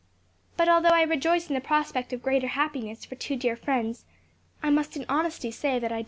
But although I rejoice in the prospect of greater happiness for two dear friends, I must in honesty say that I doubt this.